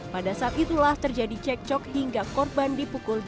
pada saat itulah terjadi cek cok hingga korban dipukul jauh